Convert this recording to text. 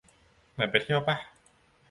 เหมือนไปเที่ยวป่ะ